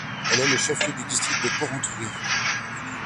Elle est le chef-lieu du district de Porrentruy.